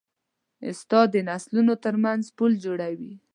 استاد د نسلونو ترمنځ پل جوړوي.